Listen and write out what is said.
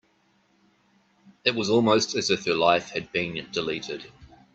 It was almost as if her life had been deleted.